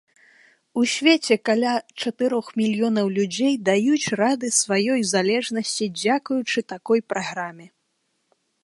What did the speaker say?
У свеце каля чатырох мільёнаў людзей даюць рады сваёй залежнасці дзякуючы такой праграме.